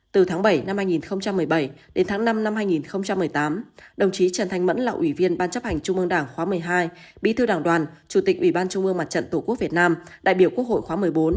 từ tháng bảy năm hai nghìn một mươi bảy đến tháng năm năm hai nghìn một mươi tám đồng chí trần thanh mẫn là ủy viên ban chấp hành trung ương đảng khóa một mươi hai bí thư đảng đoàn chủ tịch ủy ban trung ương mặt trận tổ quốc việt nam đại biểu quốc hội khóa một mươi bốn